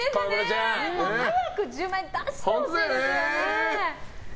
早く１０万円出してほしいですよね！